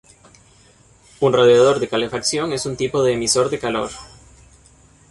Un radiador de calefacción es un tipo de emisor de calor.